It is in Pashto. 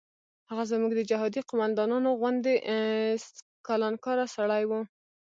هغه زموږ د جهادي قوماندانانو غوندې کلانکاره سړی و.